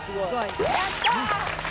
やった！